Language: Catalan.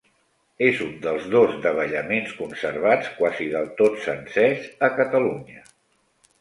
És un dels dos davallaments conservats quasi del tot sencers a Catalunya.